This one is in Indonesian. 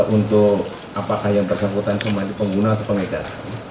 untuk apakah yang tersebutan semuanya pengguna atau pengegara